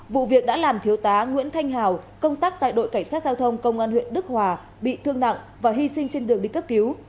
vụ việc đã làm thiếu tá nguyễn thanh hào công tác tại đội cảnh sát giao thông công an huyện đức hòa bị thương nặng và hy sinh trên đường đi cấp cứu